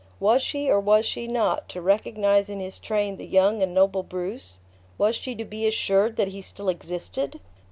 Was she, or was she not, to recognize in his train the young and noble Bruce? Was she to be assured that he still existed?